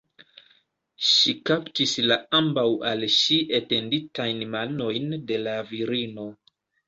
Ŝi kaptis la ambaŭ al ŝi etenditajn manojn de la virino.